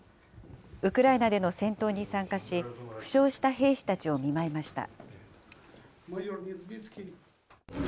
ウクライナでの戦闘に参加し、負傷した兵士たちを見舞いました。